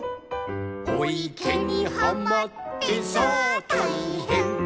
「おいけにはまってさあたいへん」